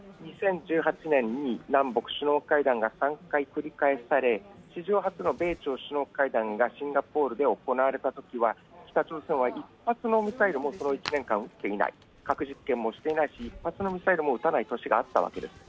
２０１８年に南北首脳会談が３回繰り返され、史上初の米朝会談がシンガポールで行われたときは北朝鮮は一発のミサイルもその一年間撃っていない、核実験もしていないし撃たない年があったわけです。